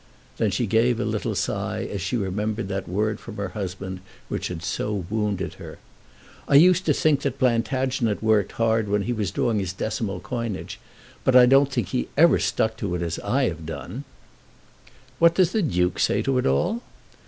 Then she gave a little sigh as she remembered that word from her husband, which had so wounded her. "I used to think that Plantagenet worked hard when he was doing his decimal coinage; but I don't think he ever stuck to it as I have done." "What does the Duke say to it all?"